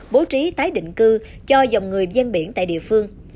bố trí tái định cư cho dòng người gian biển tại địa phương